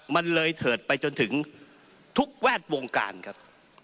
มันเลยเถิดไปจนถึงทุกแวดวงการครับ